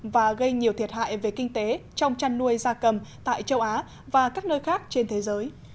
và gây nhiều thiệt hại về kinh tế trong chăn nuôi gia cầm tại châu á và các nơi khác trên thế giới